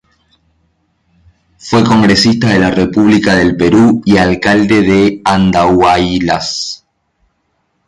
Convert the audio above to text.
Fue Congresista de la República del Perú y Alcalde de Andahuaylas.